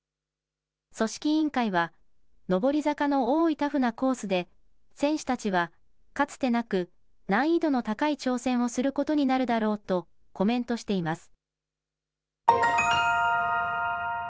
組織委員会は、上り坂の多いタフなコースで、選手たちはかつてなく難易度の高い挑戦をすることになるだろうとコメントしています。